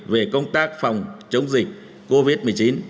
về công tác phòng chống dịch covid một mươi chín